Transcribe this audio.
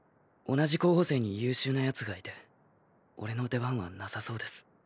同じ候補生に優秀な奴がいてオレの出番はなさそうです。